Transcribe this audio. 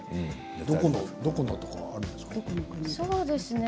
どこのとか分かるんですか？